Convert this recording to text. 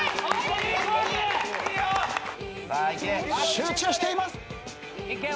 集中しています。